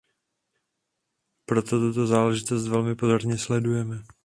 Proto tuto záležitost velmi pozorně sledujeme.